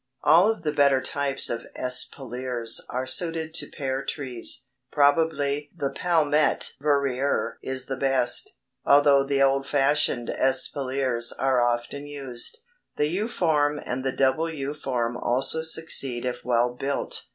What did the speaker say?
All of the better types of espaliers are suited to pear trees. Probably the Palmette Verrier is the best, although the old fashioned espaliers are often used. The U form and the double U form also succeed if well built.